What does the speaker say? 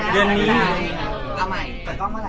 เดือนหน้าครับ